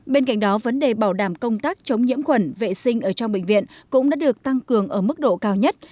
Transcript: bên cạnh đó vấn đề bảo đảm công tác chống nhiễm khuẩn vệ sinh ở trong bệnh viện cũng đã được tăng cường ở mức độ cao nhất